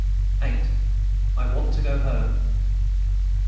VIII. I WANT TO GO HOME.